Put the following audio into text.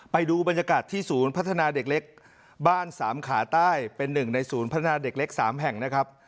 ไปดูบรรยากาศที่ศูนย์พัฒนาเด็กเล็กบ้านสามขาใต้เป็นหนึ่งในศูนย์พัฒนาเด็กเล็ก๓แห่งนะครับ